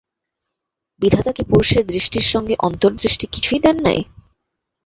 বিধাতা কি পুরুষের দৃষ্টির সঙ্গে অন্তর্দৃষ্টি কিছুই দেন নাই।